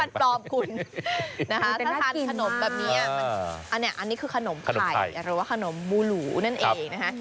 อานั้นฟันตอบคุณอันนี้คือขนมไข่หรือว่าขนมหมูหลูนั่นเองนะฮะ